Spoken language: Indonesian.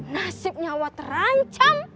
nasib nyawa terancam